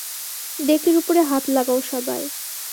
ডেকের উপরে হাত লাগাও সবাই!